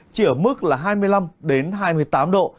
chỉ ở mức là hai mươi năm đến hai mươi tám độ